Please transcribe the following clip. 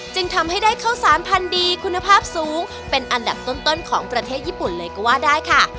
จึงทำให้ได้ข้าวสารพันธุ์ดีคุณภาพสูงเป็นอันดับต้นของประเทศญี่ปุ่นเลยก็ว่าได้ค่ะ